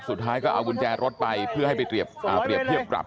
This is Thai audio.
สุดท้ายก็เอากุญแจรถไปเพื่อให้ไปเปรียบเทียบปรับ